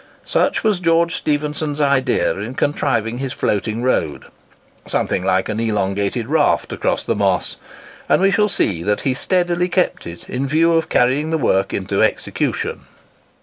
Such was George Stephenson's idea in contriving his floating road—something like an elongated raft across the Moss; and we shall see that he steadily kept it in view in carrying the work into execution.